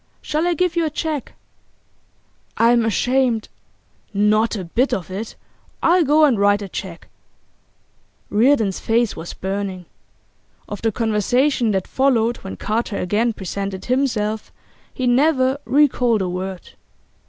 Shall I give you a cheque?' 'I'm ashamed ' 'Not a bit of it! I'll go and write the cheque.' Reardon's face was burning. Of the conversation that followed when Carter again presented himself he never recalled a word.